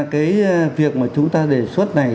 cái việc mà chúng ta đề xuất này